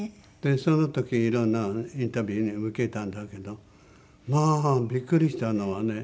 その時いろんなインタビューを受けたんだけどまあビックリしたのはね